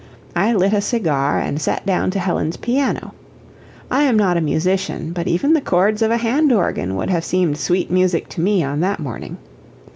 I lit a cigar and sat down to Helen's piano. I am not a musician, but even the chords of a hand organ would have seemed sweet music to me on that morning.